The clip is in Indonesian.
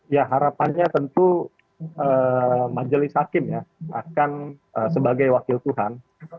ya harapannya tentu majelis hakim ya akan sebagai wakil tuhan